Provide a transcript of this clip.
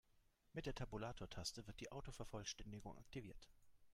Mit der Tabulatortaste wird die Autovervollständigung aktiviert.